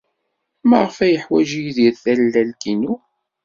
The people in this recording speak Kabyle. Maɣef ay yeḥwaj Yidir tallalt-inu?